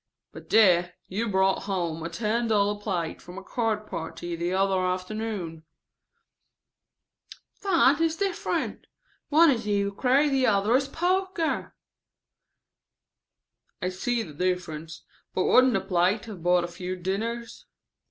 "But, dear, you brought home a ten dollar plate from a card party the other afternoon." "That is different. One is euchre, the other is poker." "I see there is a difference; but wouldn't the plate have bought a few dinners?"